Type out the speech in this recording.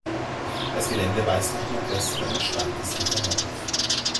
Das Gelände weist nach Nordwesten ein starkes Gefälle auf.